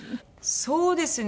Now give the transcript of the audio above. そうですね